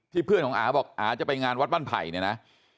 เพื่อนของอาบอกอาจะไปงานวัดบ้านไผ่เนี่ยนะ